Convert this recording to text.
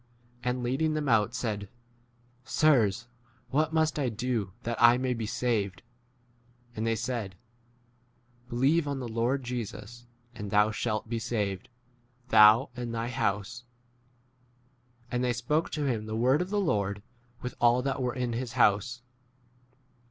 Ami leading them out said, Sirs, what must I do that I 31 may be saved ? And they said, Believe on the Lord Jesus v and thou shalt be saved, thou and thy 32 house. And they spoke to him the word of the Lord, with w all that 33 were in his house.